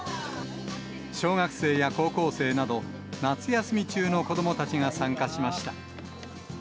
小学生や高校生など、夏休み中の子どもたちが参加しました。